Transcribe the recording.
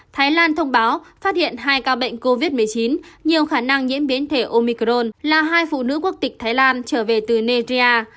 thái lan thông báo phát hiện hai ca bệnh covid một mươi chín nhiều khả năng nhiễm biến thể omicron là hai phụ nữ quốc tịch thái lan trở về từ negia